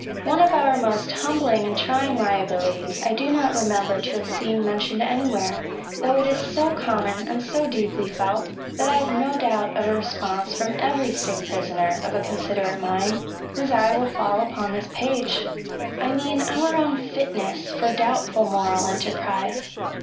One of our most humbling and trying liabilities j I do not remember to have seen mentioned any . where, though it is so common and so deeply felt, } that I have no doubt of a response from every I . I SOME PERILS AND PAINS OP INTALIDISM. 191 sick prisoner (of a considerate mind), whose eye will fall upon tliis page. I mean our unfitness for doubtful moral enterprise.